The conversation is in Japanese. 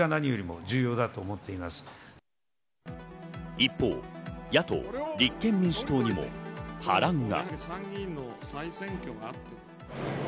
一方、野党・立憲民主党にも波乱が。